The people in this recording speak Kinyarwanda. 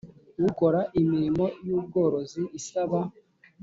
Ukora imirimo y ubworozi isaba